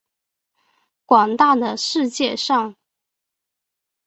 广大的世界上